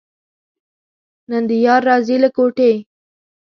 نن دې یار راځي له کوټې.